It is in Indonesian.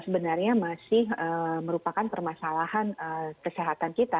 sebenarnya masih merupakan permasalahan kesehatan kita